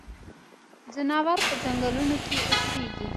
ځناور پۀ ځنګلونو کې اوسيږي.